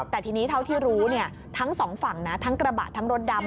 แต่ทีนี้เท่าที่รู้ทั้งสองฝั่งนะทั้งกระบะทั้งรถดำ